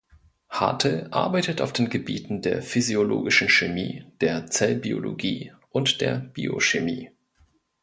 Hartl arbeitet auf den Gebieten der physiologischen Chemie, der Zellbiologie und der Biochemie.